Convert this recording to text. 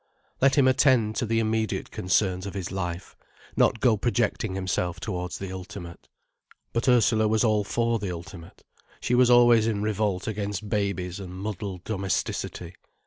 Let him attend to the immediate concerns of his life, not go projecting himself towards the ultimate. But Ursula was all for the ultimate. She was always in revolt against babies and muddled domesticity.